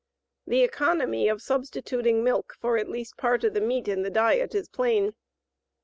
The economy of substituting milk for at least part of the meat in the diet is plain.